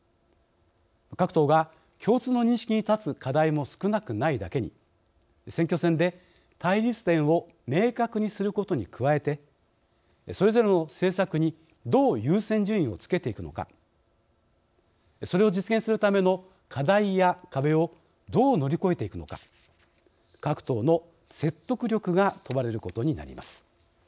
各党が共通の認識に立つ課題も少なくないだけに選挙戦で対立点を明確にすることに加えてそれぞれの政策にどう優先順位をつけていくのかそれを実現するための課題や壁をどう乗り越えていくのか各党の説得力が問われることになります。